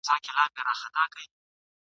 کرۍ ورځ به خلک تلله او راتلله ..